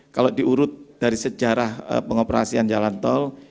kalau diurut dari sejarah pengoperasian jalan tol